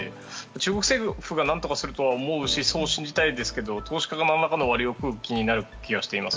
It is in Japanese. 中国政府が何とかするとは思うしそう信じたいんですが、投資家が何らかの割を食う気がします。